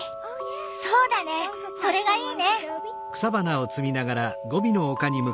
そうだねそれがいいね！